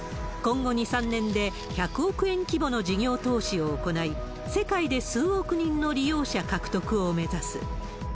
今後２、３年で１００億円規模の事業投資を行い、世界で数億人の利用者獲得を目指す。